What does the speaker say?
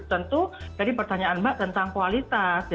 tentu jadi pertanyaan mbak tentang kualitas